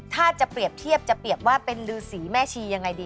ถ้าจะเปรียบเทียบจะเปรียบว่าเป็นฤษีแม่ชียังไงดี